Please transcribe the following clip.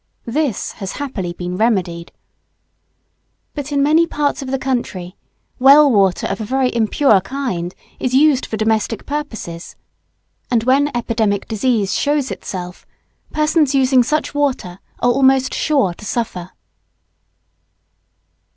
This has happily been remedied. But, in many parts of the country, well water of a very impure kind is used for domestic purposes. And when epidemic disease shows itself, persons using such water are almost sure to suffer.